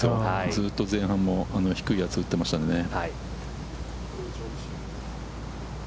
ずっと前半も低いやつで打っていましたのでね。